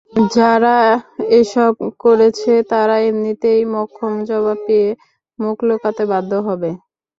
যারা এসব করেছে, তারা এমনিতেই মোক্ষম জবাব পেয়ে মুখ লুকাতে বাধ্য হবে।